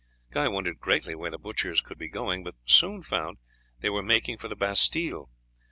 Guy wondered greatly where the butchers could be going, but soon found that they were making for the Bastille.